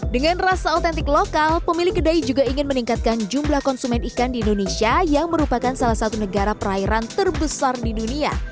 dengan rasa otentik lokal pemilik kedai juga ingin meningkatkan jumlah konsumen ikan di indonesia yang merupakan salah satu negara perairan terbesar di dunia